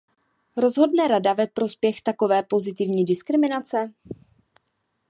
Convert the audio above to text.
Rozhodne Rada ve prospěch takové pozitivní diskriminace?